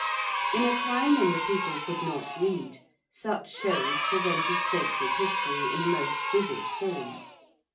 In a time when the people could not read, such shows presented Sacred History in a most vivid form.